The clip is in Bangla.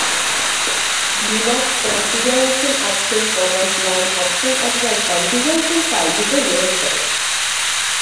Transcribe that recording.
Linux configuration option command line option অথবা কনফিগারেশন ফাইল থেকে গ্রহণ করে।